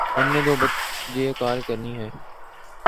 ہم نے دو بجے کال کرنی ہے